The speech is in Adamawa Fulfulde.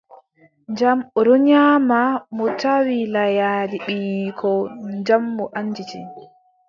Jam, o ɗon nyaama, mo tawi layaaji ɓiyiiko, jam mo annditi.